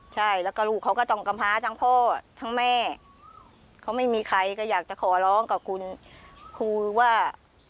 ใช่แล้วก็ลูกเขาก็ต้องกำพาทั้งพ่อทั้งแม่เขาไม่มีใครก็อยากจะขอร้องกับคุณครูว่า